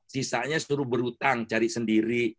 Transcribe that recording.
sisanya suruh berhutang cari sendiri